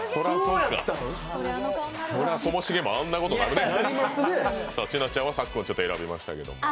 そりゃともしげもあんなことになるね、千夏ちゃんはさっくんを選びましたけど。